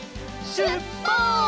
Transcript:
しゅっぱつ！